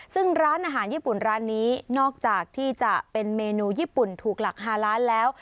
ซึ่งร้านอาหารญี่ปุ่นร้านนี้นอกจากที่จะเป็นเมนูญี่ปุ่นถูกหลัก๕ล้านแล้ว